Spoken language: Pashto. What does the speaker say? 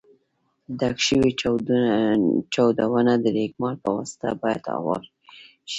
ډک شوي چاودونه د رېګمال په واسطه باید اوار شي.